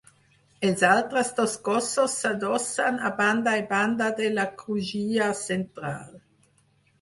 Els altres dos cossos s'adossen a banda i banda de la crugia central.